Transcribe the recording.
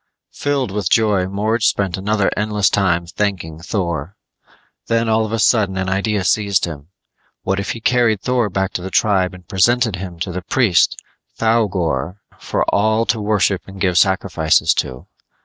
Filled with joy, Morge spent another endless time thanking Thor. Then all of a sudden an idea seized him. What if he carried Thor back to the tribe and presented him to the priest, Thougor, for all to worship and give sacrifices to?